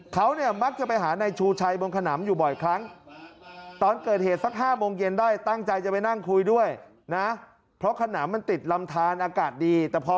แต่พอไปถึงอ้าวชูชัยนึกว่าไปล้มตอนแรก